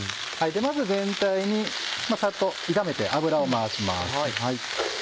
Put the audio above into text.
まず全体にサッと炒めて油を回します。